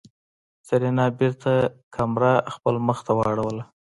سېرېنا بېرته کمره خپل مخ ته واړوله.